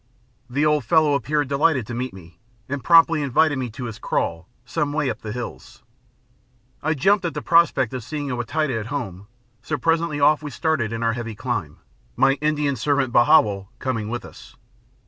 The old fellow appeared delighted to meet me, and promptly invited me to his kraal, some way up the hills. I jumped at the prospect of seeing the Wa Taita at home, so presently off we started on our heavy climb, my Indian servant, Bhawal, coming with us.